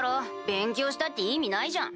勉強したって意味ないじゃん。